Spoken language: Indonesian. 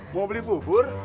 mau beli bubur